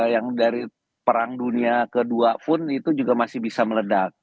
yang dari perang dunia ii pun itu juga masih bisa meledak